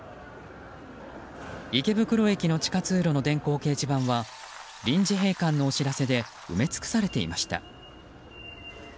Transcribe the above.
池袋駅の地下通路の電光掲示板は臨時閉館のお知らせで埋め尽くされていました。